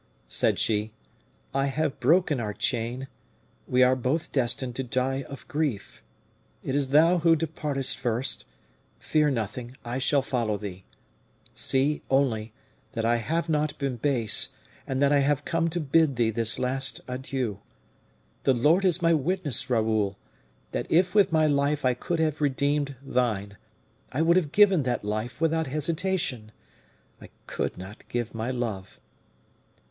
said she. "I have broken our chain; we are both destined to die of grief. It is thou who departest first; fear nothing, I shall follow thee. See, only, that I have not been base, and that I have come to bid thee this last adieu. The Lord is my witness, Raoul, that if with my life I could have redeemed thine, I would have given that life without hesitation. I could not give my love.